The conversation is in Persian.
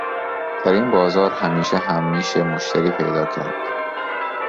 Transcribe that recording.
در این بازار همیشه هم میشه مشتری پیدا کرد